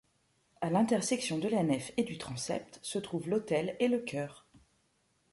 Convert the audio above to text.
À l'intersection de la nef et du transept se trouvent l'autel et le chœur.